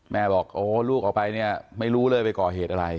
บอกโอ้ลูกออกไปเนี่ยไม่รู้เลยไปก่อเหตุอะไร